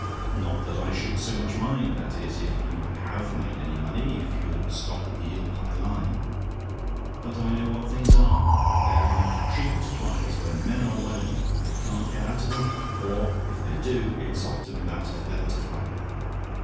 "Not that I should so much mind that is, if you HAVE made money if you'd stop at the Eel Pie line. But I know what these things are: they're like treacle to flies: when men are well in 'em, they can't get out of 'em: or, if they do, it's often without a feather to fly with.